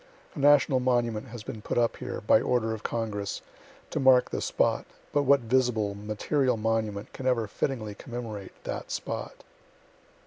A national monument has been put up here, by order of Congress, to mark the spot but what visible, material monument can ever fittingly commemorate that spot?)